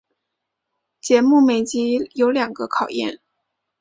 节目每集有两个考验。